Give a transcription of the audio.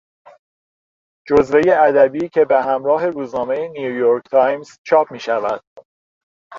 جزوهی ادبی که به همراه روزنامهی نیویورک تایمز چاپ میشود